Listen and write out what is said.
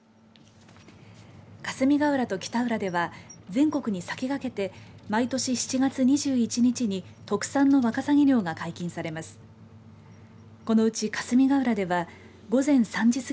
霞ヶ浦と北浦では全国に先駆けて毎年７月２１日に特産のワカサギ漁が解禁されます。